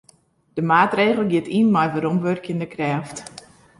De maatregel giet yn mei weromwurkjende krêft.